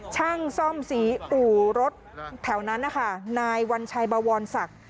ช่างซ่อมสีอู่รถแถวนั้นนะคะนายวัญชัยบวรศักดิ์